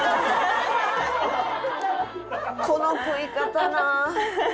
この食い方な。